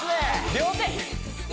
両手！